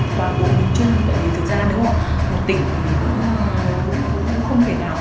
các anh chỉ cần nội vào mấy chục phần trăm thôi là cái giá nó cũng rẻ rất nhiều